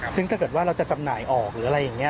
ซึ่งถ้าเกิดว่าเราจะจำหน่ายออกหรืออะไรอย่างนี้